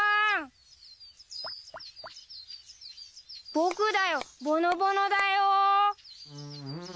僕だよぼのぼのだよ。